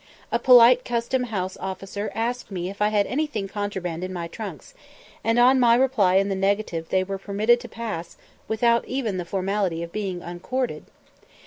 A polite custom house officer asked me if I had anything contraband in my trunks, and on my reply in the negative they were permitted to pass without even the formality of being uncorded.